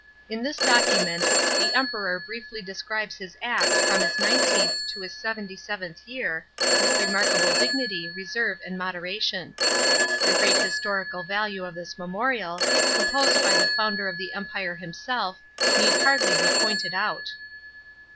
In this document the Emperor briefly describes his acts from his nineteenth to his seventy seventh year, with remarkable dignity, reserve, and moderation. The <ir« at historical value of this memorial, composed by the founder of the empire himself, need hardly be pointed out.